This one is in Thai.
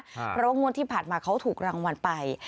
เพราะว่างวดที่ผ่านมาเขาถูกรางวัลไป